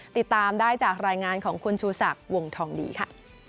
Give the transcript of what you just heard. ติดตามได้จากรายงานของคุณชูศักดิ์วงทองดีค่ะ